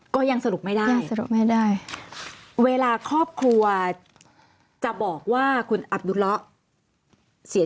ก็ยังสรุปไม่ได้ยังสรุปไม่ได้เวลาครอบครัวจะบอกว่าคุณอับดุเลาะเสีย